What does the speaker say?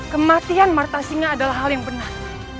kematian marta singa adalah hal yang benar